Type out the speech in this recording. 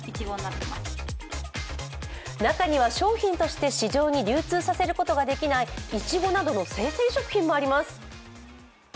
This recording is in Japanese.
中には商品として市場に流通させることができないいちごなどの生鮮食品もあります。